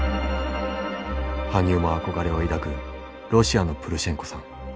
羽生も憧れを抱くロシアのプルシェンコさん。